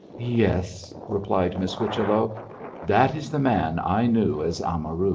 'Yes!' replied Miss Whichello; 'that is the man I knew as Amaru.'